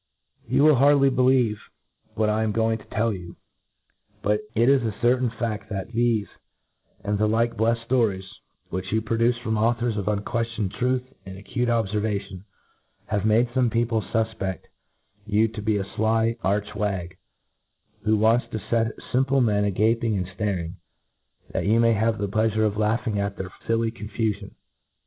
You will hardly believe what I am going to tell you, but it is a certain fed, that thcfe, and the like bleffcd ftories, which you pro duce from authors of unqueftioned truth and a cutc oWervation, have made fome people fufpeft you to be a fly arch wag, who wants^ to fet fim ple men a gaping and flaring, that you may have the plcafure of laughing at their filly confufion.